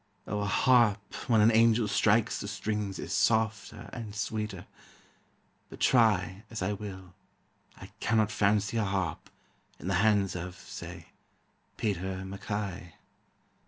O a harp when an angel strikes the strings Is softer and sweeter, but try As I will, I cannot fancy a harp In the hands of, say, Peter MacKay.